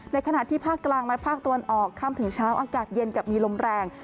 ขณะที่ภาคกลางและภาคตะวันออกค่ำถึงเช้าอากาศเย็นกับมีลมแรง